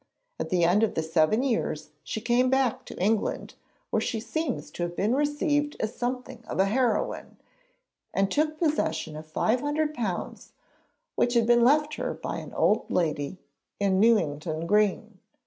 At the end of the seven years she came back to England, where she seems to have been received as something of a heroine, and took possession of £500 which had been left her by an old lady living in Newington Green.